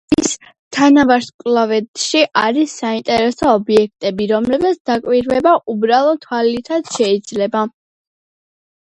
პერსევსის თანავარსკვლავედში არის საინტერესო ობიექტები, რომლებზეც დაკვირვება უბრალო თვალითაც შეიძლება.